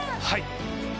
はい！